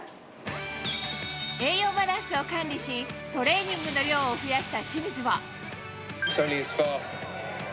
栄養バランスを管理し、トレーニングの量を増やした清水は。